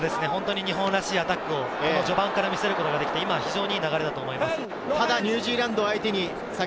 日本らしいアタックを序盤から見せることができて、今いい流れだと思います。